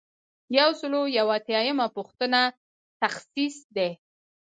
یو سل او یو اتیایمه پوښتنه تخصیص دی.